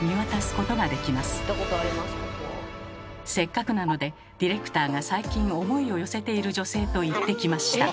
せっかくなのでディレクターが最近思いを寄せている女性と行ってきました。